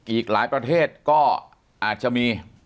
อีกหลายประเทศก็อาจจะมี